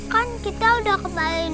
kan kita udah kembaliin